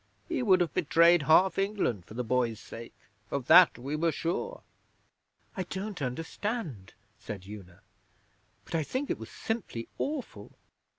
He would have betrayed half England for the boy's sake. Of that we were sure.' 'I don't understand,' said Una. 'But I think it was simply awful.'